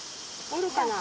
おるかな？